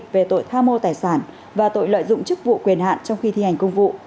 về tội tham mô tài sản và tội lợi dụng chức vụ quyền hạn trong khi thi hành công vụ